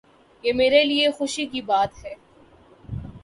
یہ میرے لیے خوشی کی بات ہے۔